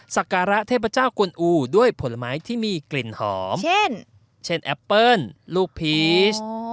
สักการะเทพเจ้ากวนอูด้วยผลไม้ที่มีกลิ่นหอมเช่นเช่นแอปเปิ้ลลูกพีช